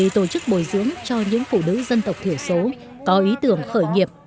tổ chức bồi dưỡng cho những phụ nữ dân tộc thiểu số có ý tưởng khởi nghiệp